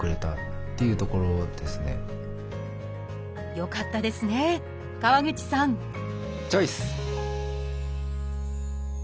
よかったですね川口さんチョイス！